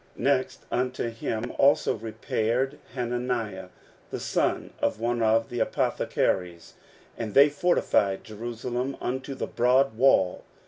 Next unto him also repaired Hananiah the son of one of the apothecaries, and they fortified Jerusalem unto the broad wall.